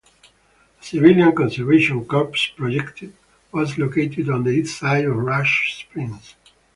A Civilian Conservation Corps project was located on the east side of Rush Springs.